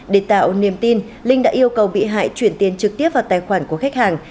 để tạo niềm tin linh đã yêu cầu bị hại chuyển tiền trực tiếp vào tài khoản của khách hàng